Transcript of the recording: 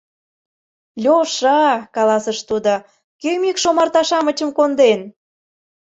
— Леша, — каласыш тудо, — кӧ мӱкш омарта-шамычым конден?